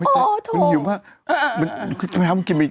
โถ่มันอยู่มาก